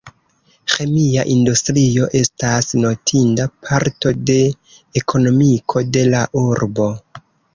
Ĥemia industrio estas notinda parto de ekonomiko de la urbo.